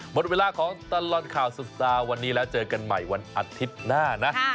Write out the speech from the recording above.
หมดเวลาของตลอดข่าวสุดสัปดาห์วันนี้แล้วเจอกันใหม่วันอาทิตย์หน้านะ